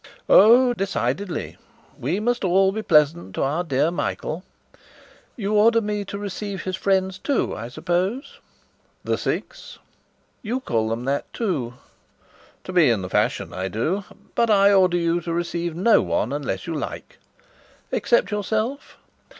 "Oh, decidedly! We must all be pleasant to our dear Michael." "You order me to receive his friends, too, I suppose?" "The Six?" "You call them that, too?" "To be in the fashion, I do. But I order you to receive no one unless you like." "Except yourself?"